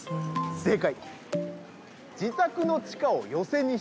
正解！